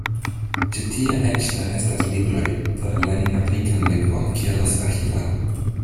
Ĉi tie eĉ ne estas libroj por lerni afrikan lingvon kiel la Svahilan.